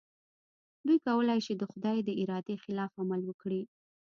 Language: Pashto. دوی کولای شي د خدای د ارادې خلاف عمل وکړي.